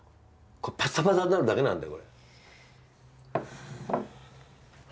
これパッサパサになるだけなんだよ。